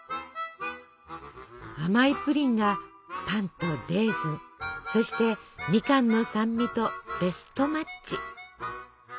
甘いプリンがパンとレーズンそしてみかんの酸味とベストマッチ。